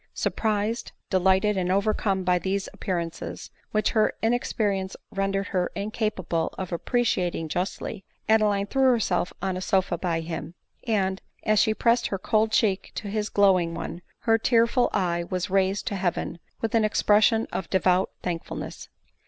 Surprised, delighted, and overcome by these appearances, which her inexperience rendered her incapable of appreciating justly, Adeline threw herself on a sofa by him ; and, as she pressed her cold cheek to his glowing one, her tearful eye was raised to heaven with an expression of devout thankfulness.